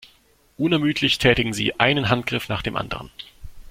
Unermüdlich tätigen sie einen Handgriff nach dem anderen.